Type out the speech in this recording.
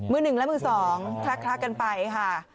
มือหนึ่งและมือสองคลักกันไปค่ะ